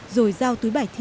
rồi giao túi bài thi